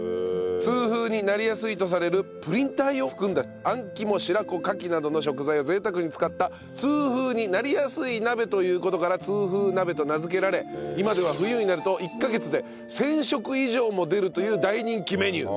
痛風になりやすいとされるプリン体を含んだあん肝白子カキなどの食材を贅沢に使った痛風になりやすい鍋という事から痛風鍋と名付けられ今では冬になると１カ月で１０００食以上も出るという大人気メニュー。